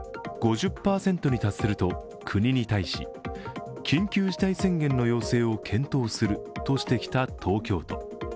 ５０％に達すると国に対し緊急事態宣言の要請を検討するとしてきた東京都。